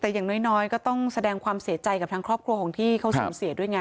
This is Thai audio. แต่อย่างน้อยก็ต้องแสดงความเสียใจกับทางครอบครัวของที่เขาสูญเสียด้วยไง